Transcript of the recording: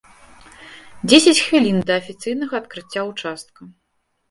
Дзесяць хвілін да афіцыйнага адкрыцця ўчастка.